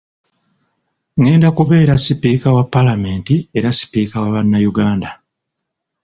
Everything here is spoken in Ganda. Ngenda kubeera Sipiika wa Palamenti era Sipiika wa bannayuganda.